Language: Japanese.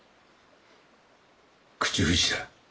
口封じだ。